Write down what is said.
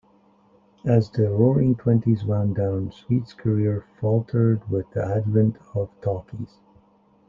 As the Roaring Twenties wound down, Sweet's career faltered with the advent of talkies.